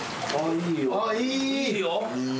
いいよ。